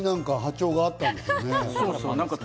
波長が合ったんですね。